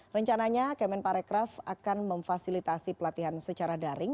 rencananya kemen parekraf akan memfasilitasi pelatihan secara daring